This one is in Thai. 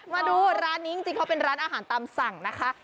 มาดูร้านนี้จริงเขาเป็นร้านอาหารตามสั่งนะคะ